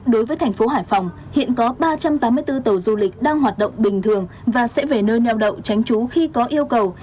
đối với thành phố hải phòng hiện có ba trăm tám mươi bốn tàu du lịch đang hoạt động bình thường và sẽ về nơi neo đậu tránh trú khi có yêu cầu